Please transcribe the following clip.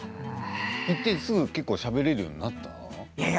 行ってすぐにしゃべれるようになった？